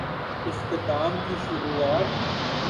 اختتام کی شروعات؟